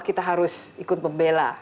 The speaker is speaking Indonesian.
kita harus ikut membela